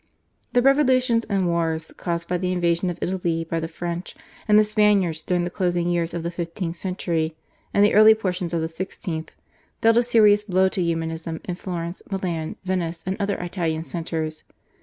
The revolutions and wars, caused by the invasion of Italy by the French and the Spaniards during the closing years of the fifteenth century and the early portion of the sixteenth, dealt a serious blow to Humanism in Florence, Milan, Venice, and other Italian centres.